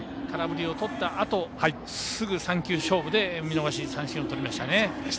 空振りをとったあとすぐ、３球勝負で見逃し三振をとりましたね。